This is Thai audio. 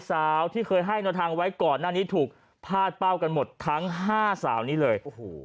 สาวที่เคยให้แนวทางไว้ก่อนหน้านี้ถูกพาดเป้ากันหมดทั้ง๕สาวนี้เลย